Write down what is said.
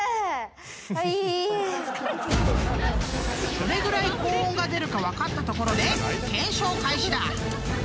［どれぐらい高音が出るか分かったところで検証開始だ］